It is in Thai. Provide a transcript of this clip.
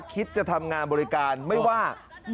คิดจะทำงานบริการไม่ว่า